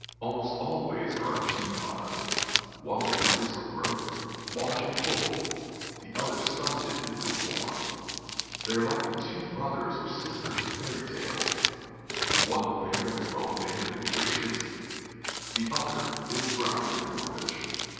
Almost always there are two pods, one vigorous of growth, large and full; the other stunted and ill formed. They are like the two brothers or sisters of Fairy Tales, one fair and well favored and gracious, the other ill grown and dwarfish.